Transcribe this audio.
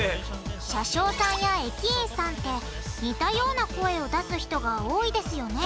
車掌さんや駅員さんって似たような声を出す人が多いですよね